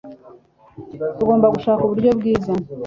Tugomba gushaka uburyo bwiza.